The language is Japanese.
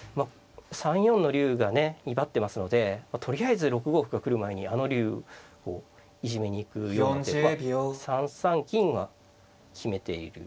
３四の竜がね威張ってますのでとりあえず６五歩が来る前にあの竜をいじめに行くような手は３三金が秘めている。